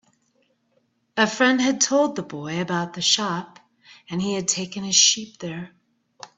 A friend had told the boy about the shop, and he had taken his sheep there.